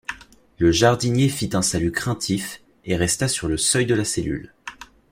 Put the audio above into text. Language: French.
Le jardinier fit un salut craintif, et resta sur le seuil de la cellule.